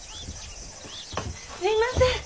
すいません。